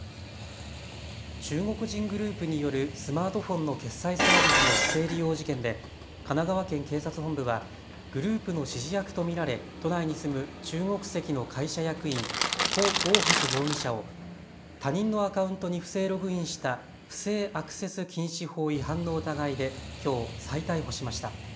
中国人グループによるスマートフォンの決済サービスの不正利用事件で神奈川県警察本部はグループの指示役と見られ都内に住む中国籍の会社役員、胡奥博容疑者を他人のアカウントに不正ログインした不正アクセス禁止法違反の疑いできょう再逮捕しました。